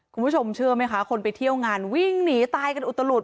คุณผู้ชมเชื่อไหมคะคนไปเที่ยวงานวิ่งหนีตายกันอุตลุด